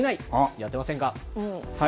やってませんか。